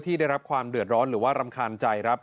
ได้รับความเดือดร้อนหรือว่ารำคาญใจครับ